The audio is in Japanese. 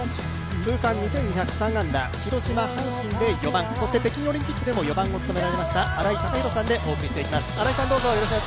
通算２２０３安打、広島、阪神で４番、そして北京オリンピックでも４番を務めました新井貴浩さんとお伝えします。